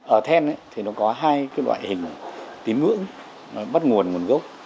ở then thì nó có hai cái loại hình tín ngưỡng bắt nguồn nguồn gốc